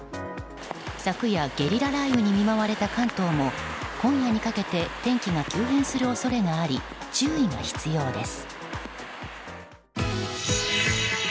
昨夜ゲリラ雷雨に見舞われた関東も今夜にかけて天気が急変する恐れがあり注意が必要です。